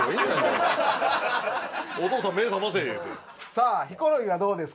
さあヒコロヒーはどうですか？